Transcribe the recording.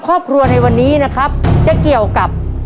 ครอบครัวของแม่ปุ้ยจังหวัดสะแก้วนะครับ